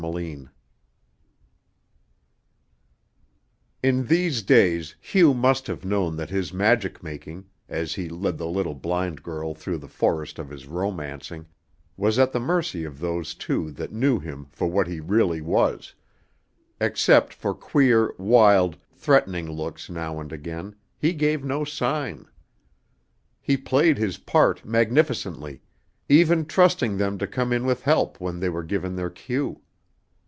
CHAPTER V In these days Hugh must have known that his magic making, as he led the little blind girl through the forest of his romancing, was at the mercy of those two that knew him for what he really was; except for queer, wild, threatening looks now and again, he gave no sign. He played his part magnificently, even trusting them to come in with help when they were given their cue.